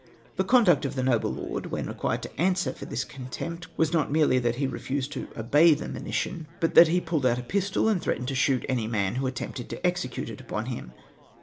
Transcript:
The conduct of the noble lord, when required to answer for this contempt, was not merely that he refused to obey the monition, but that he pulled out a pistol, and threatened to shoot any man who attempted to execute it upon him.